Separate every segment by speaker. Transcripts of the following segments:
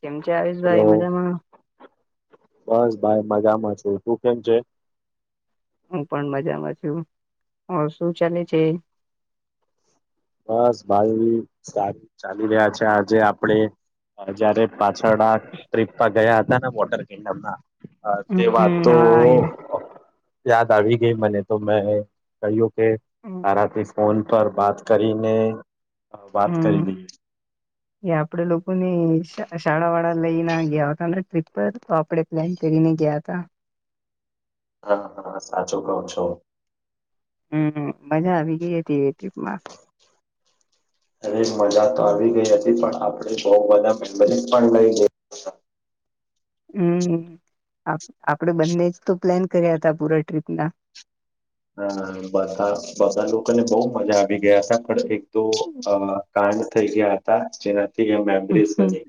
Speaker 1: કેમચ આવીસ
Speaker 2: હલો
Speaker 1: ભાઈ મજામાં
Speaker 2: બસ ભાઈ મજામાં છે તું કેમ છે?
Speaker 1: હું પણ મજામાં છું હું શું ચાલે છે?
Speaker 2: બસ ભાઈ સારુ ચાલી રહ્યા છે આજે આપડે જયારે પા છડા ટ્રીપ ગયા હતા ના ના વોટર કેડમ ના.. હા તે વાત
Speaker 1: હમ
Speaker 2: તો
Speaker 1: હા એ
Speaker 2: યાદ આવી ગઈ મને તો મે કહીઓ કે આારથી ફોન પર બાત કરીને હ વાત કરી
Speaker 1: હમ
Speaker 2: નહી.
Speaker 1: એ આપડે લોકોને શાળા વાળા લઈને ગયા તને ટ્રીપ પર તો આપડણે પ્લાન કરીને ગયા હતા.
Speaker 2: હા હા સાચું કઉ છો.
Speaker 1: હમ મજા આવી ગઈ હતી એ ટ્રીપ માં.
Speaker 2: હરે મજા તો આવી ગઈ હતી પણ આપણે બહ બધા મેમ્બરી પણ લઈ હતા.
Speaker 1: હમ આપણેે બંને જ તો પ્લાન કર્યા હતા પૂરા ટ્રીપના
Speaker 2: અ બધા બધા લોકોને બહ મજા આવી ગયા હતા પણ એક તો અ કાંડ થઈ ગયા હતા છે. ઠીક મેબરીઝ બની.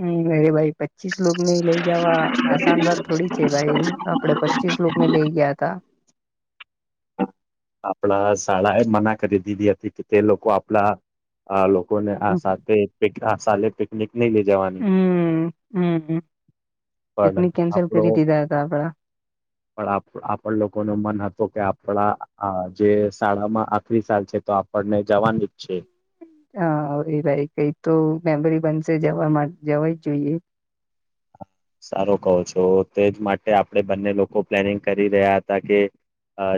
Speaker 1: હમ અરે ભાઈ પછી પચીસ લોકો ને લઈ જવા આસાન વાત થોડી છે ભાઈ આપડે પચીસ લોકો ને લઈ ગયા હતાં
Speaker 2: આપણા શાળા એ મના કરી દીધી હતી કે તે લોકો આપણા આ લોકોને આ
Speaker 1: હમ
Speaker 2: સાથે આાસલે પિકનિક નઈ લઈ જવાની
Speaker 1: હમ
Speaker 2: પણ
Speaker 1: પિકનિક કેન્સલ
Speaker 2: આપડો
Speaker 1: કરી દીધા હતા આપડા
Speaker 2: પણ આપણ લોકો ન મન હત કે આપડા હા જે શાળામાં આખરી સાલ છે તો આપણને જવાની જ છે.
Speaker 1: હા એ ભાઈ કઈ તો મેમરી બનશે જવા માટે જવાજ જોઈએ.
Speaker 2: સારો કહો છો તેજ માટે આપણેે બંને લોકો પ્લેનિંગ કરી રહ્યા હતા કે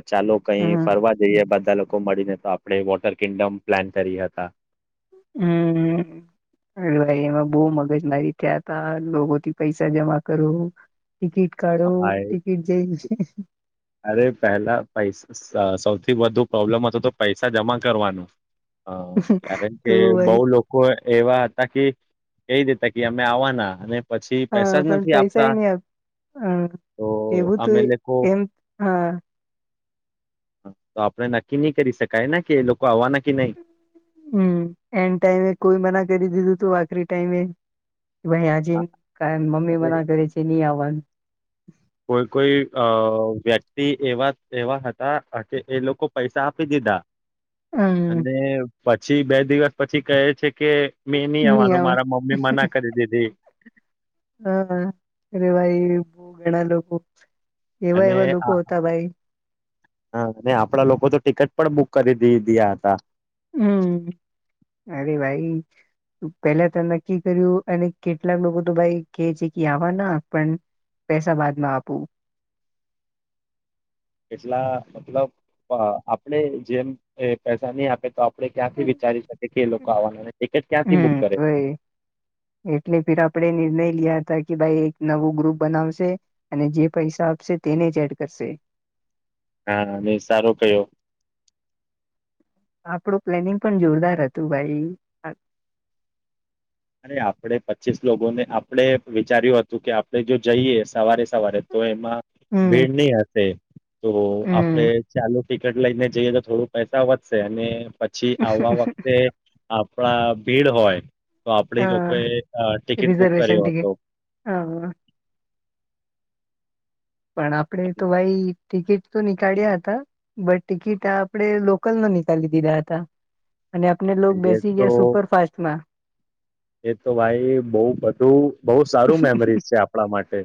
Speaker 2: ચાલો કઈ
Speaker 1: હમ
Speaker 2: ફરવા જઈએ બધા મળીને તો આપણે વોટર કિંગડમ પ્લાન કરી હતા.
Speaker 1: હમ અ ભાઈ એમાં બહ મગજ મારી થયા તા લોકોથી પૈસા જમા કરો. ટિકિટ
Speaker 2: હા
Speaker 1: કાઢો
Speaker 2: ભાઈ
Speaker 1: ટિકિટ જઈ
Speaker 2: અરે પહેલા પૈસા સૌથી વધુ પ્રોબ્લમ હતો તો પૈસા જમા કરવાનું.. હ કારણ કે
Speaker 1: તો ભાઈ
Speaker 2: બહુ લોકો એવા હતા કે કહી દેતા કે અમે આવવાના અને પછી
Speaker 1: હા
Speaker 2: પૈસા જ
Speaker 1: પણ
Speaker 2: નથી
Speaker 1: પૈસાય
Speaker 2: આપતા
Speaker 1: નહી આપ
Speaker 2: તો
Speaker 1: હ એવું
Speaker 2: અમે
Speaker 1: તોું
Speaker 2: લોકો
Speaker 1: એમ હા
Speaker 2: તો આપડણે નક્કી નહી કરી શકાય ને કે એ લોકો આવવાના કે નહીં.
Speaker 1: હમ એન્ડ ટાઈમે કોઈ મના કરી દીધું તું આખરી ટાઈમે ભાઈ
Speaker 2: હા
Speaker 1: આજજીન ક મમ્મી
Speaker 2: અરે
Speaker 1: મના કરે છે નહી આવવા..
Speaker 2: કોઈ કોઈ અ વ્યક્તિ એવા એવા હતા કે એ લોકો પૈસા આપી દીધા
Speaker 1: હમ
Speaker 2: અને પછી બે દિવસ પછી કહે છે. કે મેં નહી આવવાનું મારા મમ્મી મના કરી દીધી
Speaker 1: હા અરે ભાઈ બહ ઘણા લોકો એવા
Speaker 2: અને
Speaker 1: એવા
Speaker 2: હ
Speaker 1: લોકો હતા ભાઈ
Speaker 2: અને આપડા લોકો તો ટિકટ પણ બુક કરી દી દય હતા
Speaker 1: હમ. અરે ભાઈ પેલા તો નક્કી કર્યું અને કેટલાક લોકો તો ભાઈ કેહે છે કે આવવા ના પણ પૈસા બાદમાં આપું
Speaker 2: એટલા મતલબ આપણે જેમ પૈસા નહી આપે તો આપણે ક્યાંથી વિચારી શકી કે લોકો આવવાના ટિકિટ ક્યાંથી બુક
Speaker 1: હમ
Speaker 2: કરે
Speaker 1: આપણે નિર્ણય લીયા હતા કે ભાઈ એક નવું ગ્રુપ બનાવશે અને જે પૈસા આપશે તેને જ એડ કરશે
Speaker 2: હા અને સારો કયો
Speaker 1: આપડું પ્લેનિંગ પણ જોરદાર હતું ભાઈ
Speaker 2: અરે આપડે પચીસ લોકોને આપણે વિચાર્યું હતું કે આપણે જો જઈએ સવારે સવારે તો એમ માં
Speaker 1: હમ
Speaker 2: ભીડ નહી હશે તો આપડે
Speaker 1: હમ
Speaker 2: ચાલુ ટિકિટ લઈને જઈએ તો થોડું પૈસા વધશે અને પછી આવવા વખતે થોડા ભીડ હોય તો આપડી લોકોએ
Speaker 1: હ
Speaker 2: ટિકિટ બુક
Speaker 1: રિઝર્વેશન
Speaker 2: કર્યો હતો
Speaker 1: ટિકિટ હ પણ આપડે તો ભાઈ ટિકિટ તો નીકાળ્યા હતા બટ ટિકિટ આપણેે લોકલનો નીકાલી દીધા હતા અને આપને લોક
Speaker 2: એ
Speaker 1: બેસી
Speaker 2: તો
Speaker 1: ગયા સુપરફાસ્ટમાં
Speaker 2: એ તો ભાઈ બહ બધું બહુ સારું મેમરી છે આપણા માટે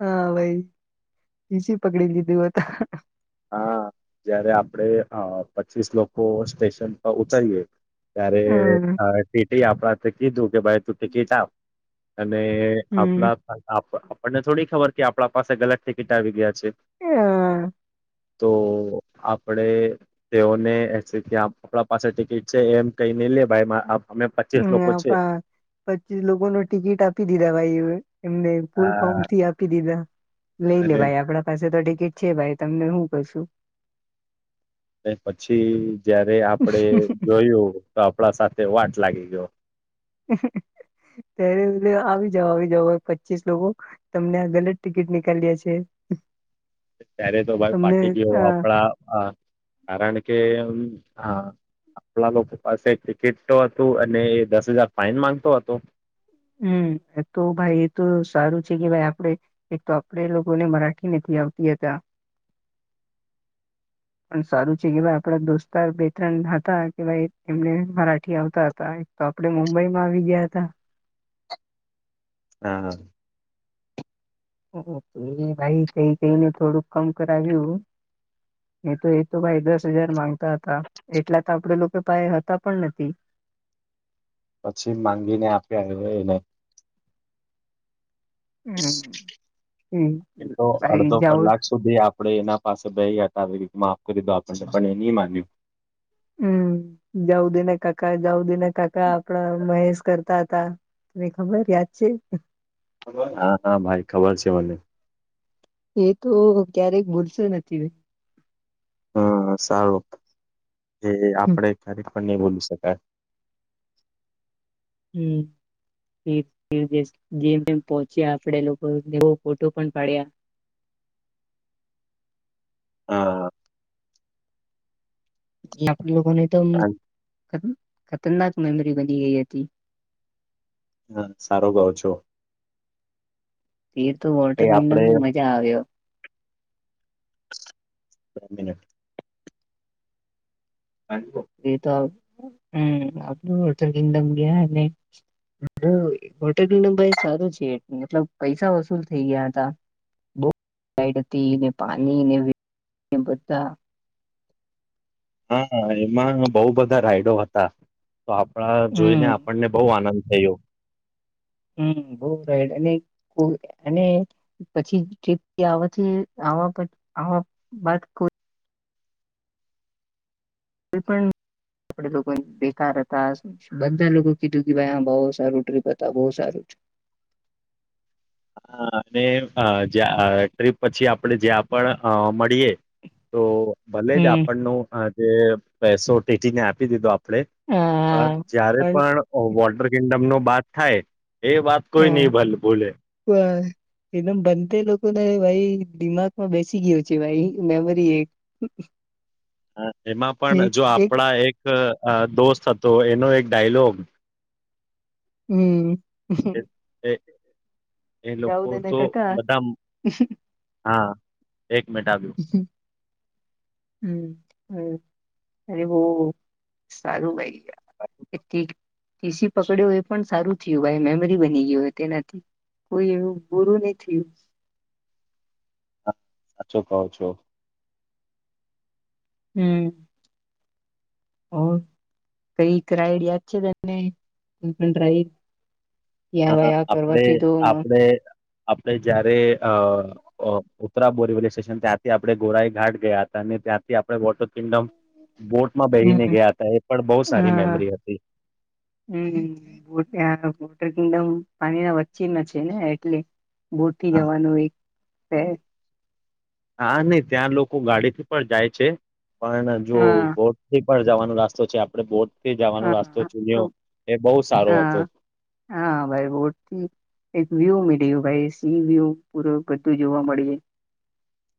Speaker 1: હા ભાઈ બીજી પકડી લીધું હતા.
Speaker 2: હા જયારે આપડે પચીસ લોકો સ્ટેશન પર ઉતારીયએ
Speaker 1: હમ
Speaker 2: ત્યારે એ આપણાથી દુ ભાઈ તું ટિકિટ આપ અને
Speaker 1: હમ
Speaker 2: આપણા અપણને થોડી ખબર કે આપડા પાસે ગલત ટિકિટ આવી ગયા છે.
Speaker 1: [inaudible]
Speaker 2: તો આપડે તેઓને આપણા પાસે ટિકિટ છે એમ કહીને લે ભાઈ અમે પચીસ લોકો
Speaker 1: હમ
Speaker 2: છે
Speaker 1: પચીસ લોકોનો ટિકિટ આપી દીધા ભાઈ એમને પૂલ
Speaker 2: હા
Speaker 1: પમથી આપી દીધા. લઈ લે
Speaker 2: અને
Speaker 1: ભાઈ આપડા પાસે તો છે ભાઈ તમને હું કેસુ.
Speaker 2: એ પછી જયારે આપડે જોયું તો આપડા સાથે વાટ લાગી ગયો.
Speaker 1: ત્યારે આવી જાવો આવી જાવો પચીસ લોકો તમને આ ગલત ટિકિટ નીકાલ્યા છે.
Speaker 2: ત્યારે તો ભાઈ
Speaker 1: તમને
Speaker 2: ફાટી ગયો
Speaker 1: અ
Speaker 2: આપડા કારણ કે એમ હા આપડા લોકો પાસે ટિકિટ તો હતી અને એ દસ હજાર ફાઇન માંગતો હતો.
Speaker 1: હમ એ તો ભાઈ એ તો સારું છે કે ભાઈ આપડે એક તો આપડે લોકોને મરાઠી નથી આવતી હતા પણ સારું છે કે આપડા દોસ્તાર બે ત્રણ હતા કે ભાઈ એમને મરાઠી આવતા હતા એક તો આપડે મુંબઈમાં આવી ગયા હતા.
Speaker 2: હા હા.
Speaker 1: ઓ તો એ ભાઈ કઈ કઈને થોડુંક કમ કરાવ્યું એ તો એ તો ભાઈ દસ હજાર માંગતા હતા એટલા તો આપડે લોકો પાહે હતા પણ નથી.
Speaker 2: પછી માંગીને આપ્યા એવુને.
Speaker 1: હમ હમ,
Speaker 2: એ તો
Speaker 1: ભાઈ
Speaker 2: અડધો
Speaker 1: જાઉ
Speaker 2: કલાક સુધી આપડે એના પાસે બેયી હતા બેયી. માફ કરી દીધું આપણને પણ એ ની માન્યું.
Speaker 1: હમ જાવ દિને કાકા જાવ દિને કાકા આપણે મહેશ કરતા તાય તને ખબર યાદ છે.
Speaker 2: હા હા ભાઈ ખબર છે મને.
Speaker 1: એ તો ક્યારેક ભૂલશે નથી
Speaker 2: હમ સારું એ
Speaker 1: હમ
Speaker 2: આપડે ખ પણ નહી બોલી શકાય.
Speaker 1: હમ જેમ જેમ પહોંચ્યા આપડે લોકો એવો ફોટો પણ પાડ્યા.
Speaker 2: હા
Speaker 1: એ આપ લોકોને. તમ કહી. ખતરનાક મેમરી બની ગઈ હતી.
Speaker 2: હા સારો ગઉ છો
Speaker 1: એ તો
Speaker 2: એ
Speaker 1: વોટર
Speaker 2: આપડે
Speaker 1: કિંગડમમાં મજા આવ્યો
Speaker 2: બે મિનિટ
Speaker 1: એ તો હમ આપડું હોટલ કિંગડમ ગયા ને હોટલ કિંગડ સારું છે મતલબ પૈસા વસૂલ થઈ ગયા હતા [unintelligible]
Speaker 2: હા એમાં બઉ બધા રાઈડર હતા. તો આપણા જોઈ ને
Speaker 1: હમ
Speaker 2: આપણને બહુ આનંદ થયો.
Speaker 1: હમ બઉ સારુ અને કોઈ અને પછી જેટલા આવે છે [unintelligible] આવવા બાદ કો કોઈ પણ આપ લોકો બેકાર હતા બધા લોકો કીધું કે ભાઈ હા બહુ સારું ટ્રીપ હતા બહુ સારું છે.
Speaker 2: હા અને જ્યાં ટ્રીપ પછી આપડે જ્યાં પણ મળીએે તો ભલે જ
Speaker 1: હમ
Speaker 2: આપણને અ જે પૈસો પીટી ને આપી દીધા. પડે પર જયારે પણ વોટર કિંગડમ નો બાદ થાય એ વાત કોઈ નહી ભલે બોલે
Speaker 1: એમ બન લોકોને ભાઈ દિમાગમાં બેસી ગયયો છે ભાઈ મેમરી એક.
Speaker 2: હા એમાં પણ જો આપડા એક અ દોસ્ત હતો એનો એક ડાયલોગ
Speaker 1: હમ.
Speaker 2: એ એ એ લોકો
Speaker 1: જાઉદ અને
Speaker 2: તો
Speaker 1: કાકા
Speaker 2: બધા હા. એક મિટ આવ્યું [inaudible]
Speaker 1: હમ હમ અરે બહ સારું ભાઈ. ખછથી. ટીસી પકડ્યો એ પણ સારું થયું ભાઈ મેમરી બની ગય હોય તેનાથી કોઈ એવું બૂરું નહી થયું.
Speaker 2: સાચો કહો છો.
Speaker 1: હમ કઈ કરઇડ યા છે તને. આ
Speaker 2: હ
Speaker 1: ભાઈ આ
Speaker 2: આપણે
Speaker 1: કરવાથી તો
Speaker 2: આપણે આપણે જયારે અ બોરીલી સ્ટેશન ત્યાંથી આપણે ગોરાઈ ઘાટ ગયા હતા અને ત્યાંથી આપણે વોટર કિંગડમ બોટમાં બેહીને
Speaker 1: હમ્મ-હમ્મ.
Speaker 2: ગયા હતા એ પણ બહુ સારી
Speaker 1: હમ્મ
Speaker 2: મેમરી હતી
Speaker 1: બ બોટ કિડમ પાણી ના વચ્ચેમાં છે ને એટલે બોટથી
Speaker 2: હા
Speaker 1: જવાનું એક. [unintelligible]
Speaker 2: હા નહ ત્યાં લોકો ગાડી થી પણ જાય છે. પણ જો
Speaker 1: હા
Speaker 2: ભૌધિક જવાનો રસ્તો છે આપડણે બોટ સારો
Speaker 1: હા-હા.
Speaker 2: હતો
Speaker 1: હા ભવતી વ્યૂ મીળ્યું ભાઈ સી વ્યૂ પૂ બધું જોવા મળએ.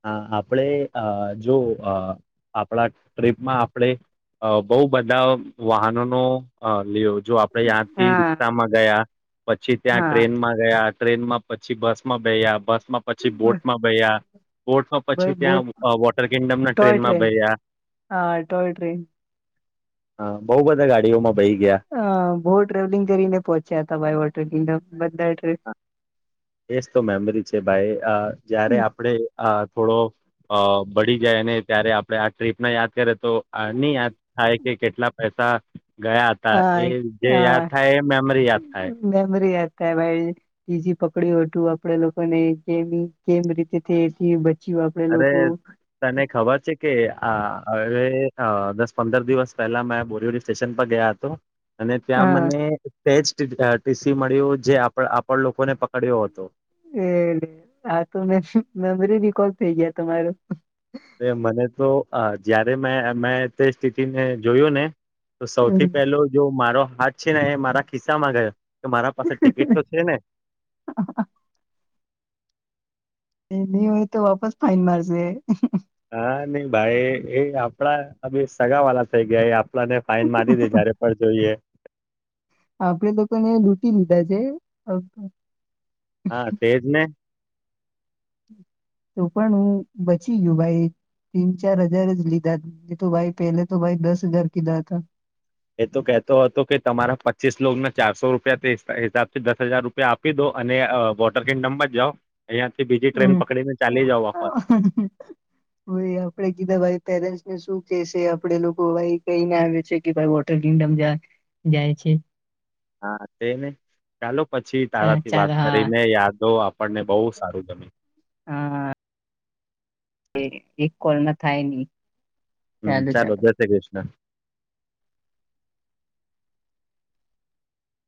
Speaker 2: હ આપણે અ જો આપણા ટ્રીપમાં આપડણે બહુ બધા વાહનોનો લી જો આપડે યાંથી
Speaker 1: હા
Speaker 2: રિક્ષામાં ગયા પછી ત્યાં
Speaker 1: હા
Speaker 2: ટ્રેન માં ગયા. ટ્રેન માં પછી બસ માં બેયા બસ માં પછી બોટમાં ગયા. બોર્ટમાં
Speaker 1: ભાઈ
Speaker 2: પછી
Speaker 1: બોટ
Speaker 2: ત્યાં વોટર કિંગડમના
Speaker 1: ટોય
Speaker 2: ટ્રેનમાં
Speaker 1: ટ્રેન
Speaker 2: બે્યા
Speaker 1: હા ટોય ટ્રેન
Speaker 2: હા બઉુ બધા ગાડીઓમાં બેહી ગયા
Speaker 1: અ બહ ટ્રાવલિંગ કરીને પહોંચ્યા હતા બાય વોટલ કિન્ડમ બંધા ય ટ્રે [inaudible]
Speaker 2: એજ તો મેમરી છે ભાઈ જયારે આપણે થોડો અ બળી જાય અને ત્યારે આપણે આ ટ્રીપ ના યાદ કરીએ તો આ ની યાદ થાય કે કેટલા પૈસા ગયા હતા
Speaker 1: હા
Speaker 2: એ જે યાદ થાય એ મેમરી યાદ થાય.
Speaker 1: તં ભ બીજી પકડ્યું હતું આપડે લોકોને કેવી કેમ રીતે એ
Speaker 2: અરે તને ખબર છે કે આ હવે અ દસ પંદર દિવસ પહેલા મે બોરવલી સ્ટેશન પર ગયા હતો. અને ત્યાં
Speaker 1: હા
Speaker 2: મને તેજ ટી ટી સી મળ્યું જે આપણ આપણ લોકોને પકડ્યો હતો.
Speaker 1: એ આ તો મેમરી રીકડ થઈ ગયા તમાર.
Speaker 2: અ મને તો અ જયારે મે મે તે સ્થિતિને જોયયો ને તો સૌથી પેલો જો મારો હા છે ને એ મારા ખિસ્સા માં ગયો. મારા પાસે ટિકિટ તો છે ને.
Speaker 1: એ નહી હોય તો વાપસ ફાઇન મારશે.
Speaker 2: હા નઈ ભાઈ એ આપડા અ સગા વાલા થઈ ગયા એઅપ ને ફાઈન મારી દે જયારે પણ જોઈએ.
Speaker 1: આપડે લોકોને રૂટી લીધા છે.
Speaker 2: હા તેજ ને.
Speaker 1: તો પણ હું બચી ગયો ભાઈ તીન ચાર હજાર જ લીધા એ તો ભાઈ પહેલે તો ભાઈ દસ હજાર કીધા હતા.
Speaker 2: એ તો કહેતો હતો કે તમારા પચીસ લોને ચારસો રૂપિયા હિસાબથી દસ હજાર રૂપિયા આપી દો અને અ વોટરકેડ કીન્ડોમજ જાઓ. અહિયાંથી બીજી ટ્રેન
Speaker 1: હમ્મ
Speaker 2: પકડીને ચાલી જાવ વાપસ
Speaker 1: [unintelligible] ભાઈ આપણે કીધા ભાઈ ત્યારેજ શું કે છે આપડે લોકો ભાઈ કહીને આવે છે કે ભાઈ વોટર કિંગડમ જા જાય છે.
Speaker 2: હા તે ને ચાલો. પછી તારાથી
Speaker 1: ચાલ
Speaker 2: વાત
Speaker 1: હા
Speaker 2: કરીને યાદો આપણને બહુ સારું ગમ્યું.
Speaker 1: હા એક કોલમાં થાય નહી.
Speaker 2: હમ્મ ચાલો જય શ્રી કૃષ્ણ.